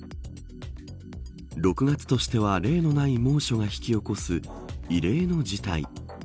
６月としては例のない猛暑が引き起こす異例の事態。